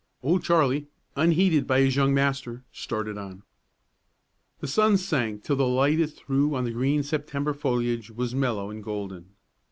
Old Charlie, unheeded by his young master, started on. The sun sank till the light it threw on the green September foliage was mellow and golden.